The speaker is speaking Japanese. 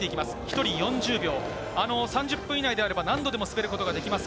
１人４０秒、３０分以内であれば何度でも滑ることができます。